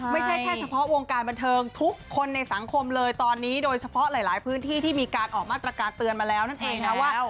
ไม่ใช่แค่เฉพาะวงการบันเทิงทุกคนในสังคมเลยตอนนี้โดยเฉพาะหลายพื้นที่ที่มีการออกมาตรการเตือนมาแล้วนั่นเองนะว่า